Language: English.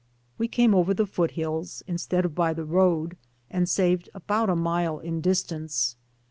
"We came over the foot hills, instead of by the road, and saved about a mile in dis tance.